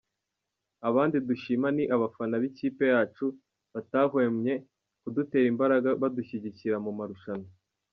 Abandi dushima ni abafana b’ikipe yacu batahwemye kudutera imbaraga badushyigikira mu marushanwa”.